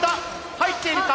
入っているか？